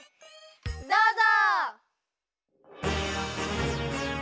どうぞ！